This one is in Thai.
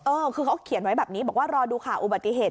เออคือเขาเขียนไว้แบบนี้บอกว่ารอดูข่าวอุบัติเหตุ